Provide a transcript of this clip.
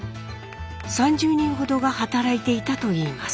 ３０人ほどが働いていたといいます。